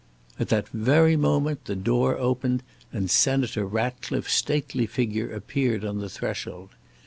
At that very moment the door opened, and Senator Ratcliffe's stately figure appeared on the threshold.